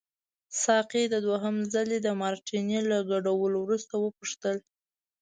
ساقي د دوهم ځلي د مارټیني له ګډولو وروسته وپوښتل.